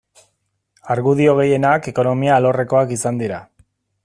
Argudio gehienak ekonomia alorrekoak izan dira.